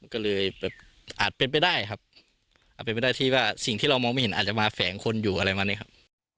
ก็เลยแบบอาจเป็นไปได้ครับอาจเป็นไปได้ที่ว่าสิ่งที่เรามองไม่เห็นอาจจะมาแฝงคนอยู่อะไรมานี้ครับ